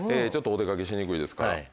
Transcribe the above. ちょっとお出掛けしにくいですから。